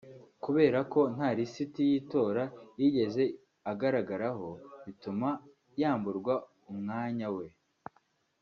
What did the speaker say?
kubera ko nta lisiti y’itora yigeze agaragaraho bituma yamburwa umwanya we